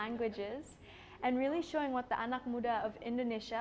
dan kami menunjukkan apa yang melakukan anak muda di bali indonesia